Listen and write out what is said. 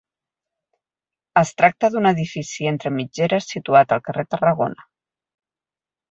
Es tracta d'un edifici entre mitgeres situat al carrer Tarragona.